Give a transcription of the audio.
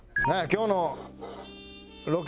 今日の。